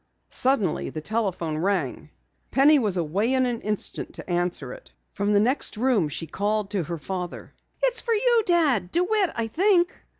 Suddenly the telephone rang. Penny was away in an instant to answer it. From the next room she called to her father: "It's for you, Dad! DeWitt, I think."